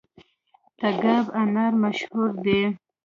تګاب انار مشهور دي؟